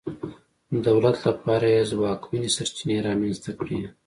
دولت لپاره یې ځواکمنې سرچینې رامنځته کړې.